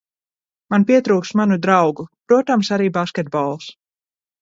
Man pietrūkst manu draugu protams arī basketbols.